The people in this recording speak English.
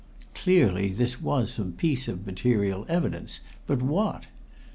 Clearly, this was some piece of material evidence but what?